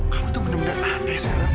kamu tuh bener bener aneh sekarang